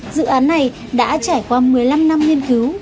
dự án này đã trải qua một mươi năm năm nghiên cứu